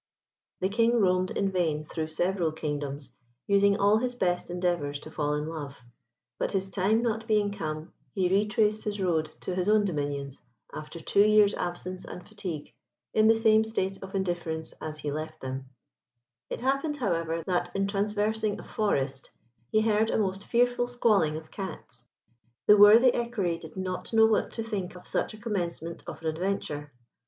The King roamed in vain through several kingdoms, using all his best endeavours to fall in love; but his time not being come, he retraced his road to his own dominions, after two years' absence and fatigue, in the same state of indifference as he left them. [Illustration: Impossible Enchantment. P. 337.] It happened, however, that in traversing a forest he heard a most fearful squalling of cats. The worthy equerry did not know what to think of such a commencement of an adventure.